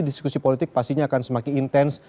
diskusi politik pastinya akan semakin intens